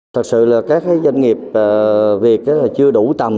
thật sự là các doanh nghiệp việt chưa đủ tầm